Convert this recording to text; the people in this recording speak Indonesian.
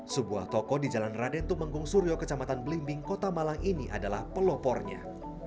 sebuah toko di jalan raden tumenggung suryo kecamatan belimbing kota malang ini adalah pelopornya